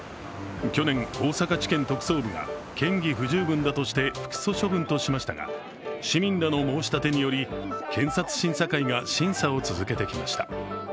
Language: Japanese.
去年、大阪地検特捜部が嫌疑不十分だとして不起訴処分としましたが、市民らの申し立てにより検察審査会が審査を続けてきました。